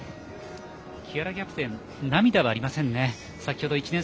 木原キャプテンに涙はありません。